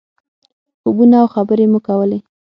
خوبونه او خبرې مو کولې.